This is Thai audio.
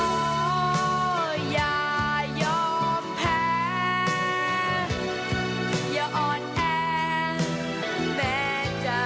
สวัสดีค่ะสวัสดีค่ะ